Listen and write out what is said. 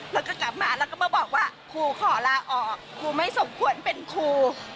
แล้วก็กลับมาแล้วก็มาบอกว่าครูขอลาออกครูไม่สมควรเป็นครู